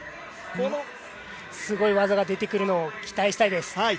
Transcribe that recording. すごい技が出てくるのを期待したいです。